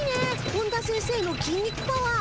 本田先生のきん肉パワー。